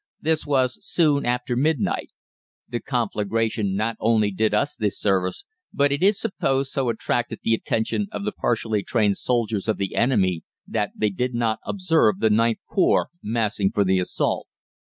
This was soon after midnight. The conflagration not only did us this service, but it is supposed so attracted the attention of the partially trained soldiers of the enemy that they did not observe the IXth Corps massing for the assault.